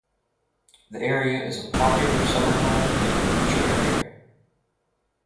The area is a popular summer home and beach area.